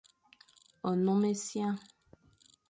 Nnom essiang.